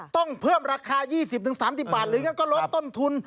ต้องเพิ่มราคายี่สิบถึงสามสิบบาทหรืออย่างนั้นก็ลดต้นทุน